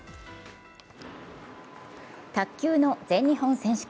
卓球の全日本選手権。